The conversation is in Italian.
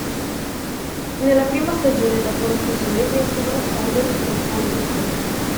Nella prima stagione dopo la fusione vinsero la Southern Football League.